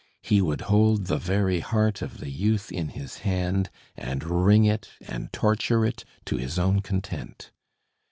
He would hold the very heart of the youth in his hand, and wring it and torture it to his own content.